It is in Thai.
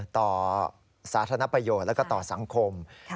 สาธารณประโยชน์แล้วก็ต่อสังคม